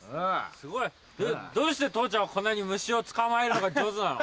すごいどうして父ちゃんはこんなに虫を捕まえるのが上手なの？